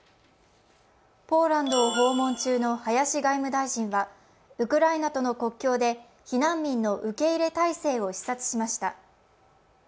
ポーランドを訪問中の林外務大臣はウクライナとの国境で避難民の受け入れ態勢を視察しました。